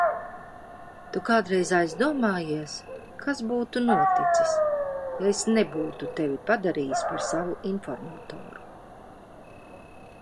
Tu kādreiz aizdomājies, kas būtu noticis, ja es nebūtu tevi padarījis par savu informatoru?